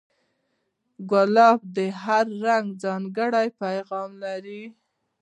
ګلاب د هر رنگ ځانګړی پیغام لري.